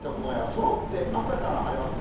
そろって朝から晴れます。